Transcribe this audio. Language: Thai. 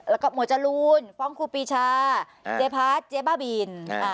แล้วก็หมวดจรูนฟ้องครูปีชาเจ๊พัดเจ๊บ้าบิน